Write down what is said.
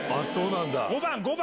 ５番５番！